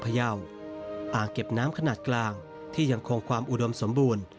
องค์เก็บน้ำแม่ตอ๋อมอ๋อมบรรยาะเมืองพระยาวองค์เก็บน้ำขนาดกลางที่ยังคงความอุดมสมบูรณ์